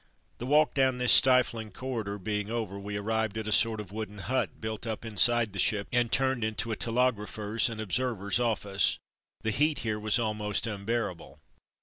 The walk down this stifling corridor being over we arrived at a sort of wooden hut built up inside the ship, and turned into a telegrapher's and observer's office. The heat here was almost unbearable.